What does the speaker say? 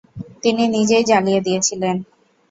তিনি নিজেই জ্বালিয়ে দিয়েছিলেন।